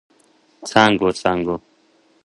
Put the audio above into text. څانګو، څانګو